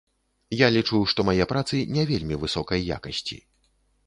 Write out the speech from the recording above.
Я лічу, што мае працы не вельмі высокай якасці.